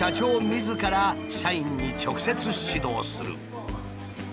みずから社員に直接指導する。